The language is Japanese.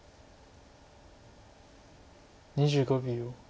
２５秒。